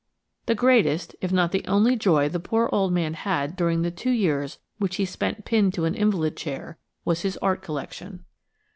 The greatest, if not the only, joy the poor old man had during the two years which he spent pinned to an invalid chair was his art collection.